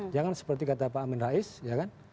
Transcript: yang kan seperti kata pak amin rais ya kan